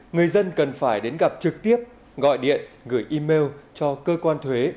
người dân cần phải đến gặp trực tiếp gọi điện gửi email cho cơ quan thuế